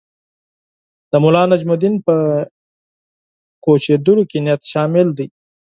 د ملانجم الدین په کوچېدلو کې نیت شامل دی.